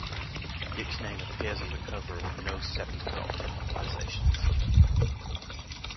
Dicks' name appears on the cover of no Seventh Doctor novelisations.